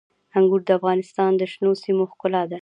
انګور د افغانستان د شنو سیمو ښکلا ده.